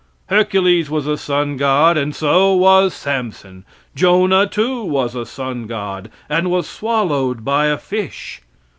Hercules was a sun god, and so was Samson. Jonah, too, was a sun god, and was swallowed by a fish.